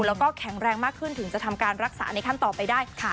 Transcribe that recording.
แล้วก็แข็งแรงมากขึ้นถึงจะทำการรักษาในขั้นต่อไปได้ค่ะ